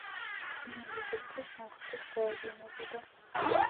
რიონი სოფლის სამხრეთით გაედინებოდა.